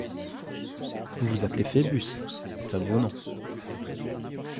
Vous vous appelez Phœbus, c’est un beau nom.